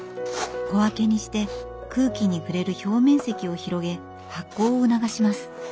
小分けにして空気に触れる表面積を広げ発酵を促します。